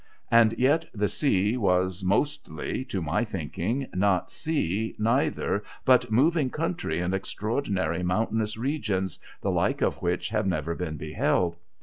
And yet the sea was mostly, to my thinking, not sea neither, but moving country and extraordinary mountainous regions, the like of which have never been beheld.